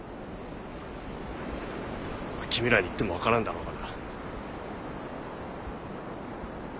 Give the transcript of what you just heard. まっ君らに言っても分からんだろうがな。